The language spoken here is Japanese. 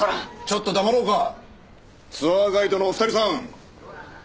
ちょっと黙ろうかツアーガイドのお二人さん。